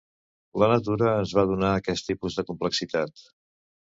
La natura ens va donar aquest tipus de complexitat.